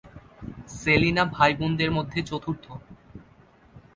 সেলিনা ভাইবোনদের মধ্যে চতুর্থ।